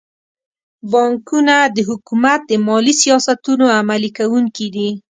بانکونه د حکومت د مالي سیاستونو عملي کوونکي دي.